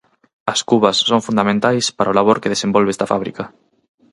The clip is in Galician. As cubas son fundamentais para o labor que desenvolve esta fábrica.